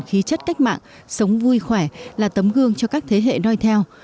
khí chất cách mạng sống vui khỏe là tấm gương cho các thế hệ nói theo